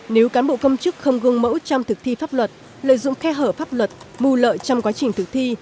nếu cán bộ công chức không gương mẫu trong thực thi pháp luật lợi dụng khe hở pháp luật mù lợi trong quá trình thực thi